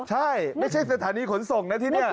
ใช่ไม่ใช่สถานีขนส่งนะที่นี่